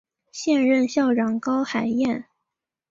现任校长高海燕。